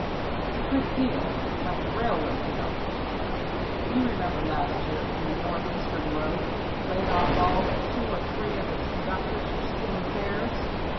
It's a good deal like the railway conductors. " You remember last year when the North eastern Road laid off all but two or three of its old conductors for stealing fares?